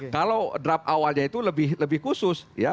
kalau draft awalnya itu lebih khusus